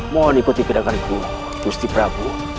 mohon ikuti kedatanganku gusti prabu